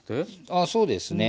あそうですね